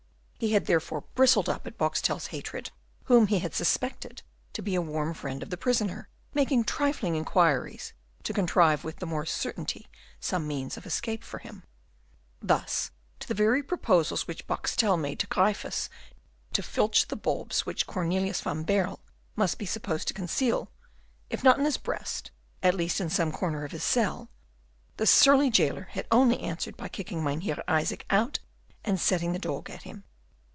He had therefore bristled up at Boxtel's hatred, whom he had suspected to be a warm friend of the prisoner, making trifling inquiries to contrive with the more certainty some means of escape for him. Thus to the very first proposals which Boxtel made to Gryphus to filch the bulbs which Cornelius van Baerle must be supposed to conceal, if not in his breast, at least in some corner of his cell, the surly jailer had only answered by kicking Mynheer Isaac out, and setting the dog at him.